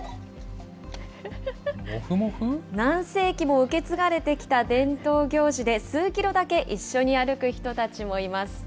何世紀も受け継がれてきた伝統行事で、数キロだけ一緒に歩く人たちもいます。